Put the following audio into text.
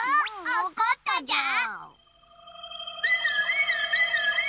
おこったじゃー！